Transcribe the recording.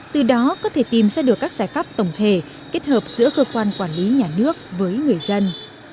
từ đó có thể tìm ra được các giải pháp tổng thể kết hợp giữa cơ quan quản lý nhà nước với người dân